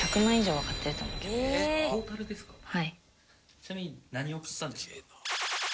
ちなみに何を買ったんですか？